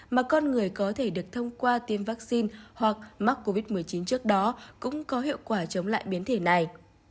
mà con người có thể được thông qua tiêm vaccine hoặc mắc covid một mươi chín trước đó cũng có hiệu quả chống lại biến thể này